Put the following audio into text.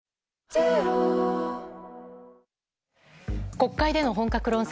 国会での本格論戦。